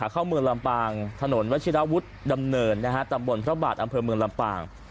เข้าเมืองลำปางถนนวัชิราวุฒิดำเนินตำบลพระบาทอำเภอเมืองลำปาง